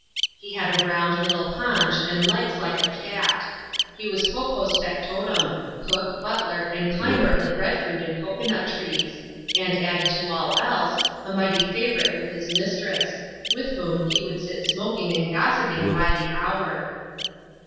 Hie had a round little paunchy and 1^ like a cat. He was Po Po's factotum — cook, butler, and climber oi the bread fruit and cocoa nut trees ; and, added to all else, a mighty £Eiyourite with his mistress ; with whom he would sit smoking and gossip ing by the hour.